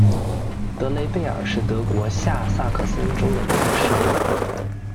德雷贝尔是德国下萨克森州的一个市镇。